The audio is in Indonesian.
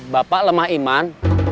bapak lemah iman